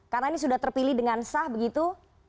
karena ini sudah terpilih dengan sah begitu